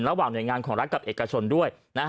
ระหว่างหน่วยงานของรัฐกับเอกชนด้วย